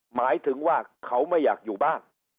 หมายถึงว่าเขาไม่อยากอยู่บ้าน